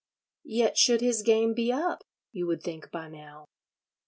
Yet should his game be up, you would think by now.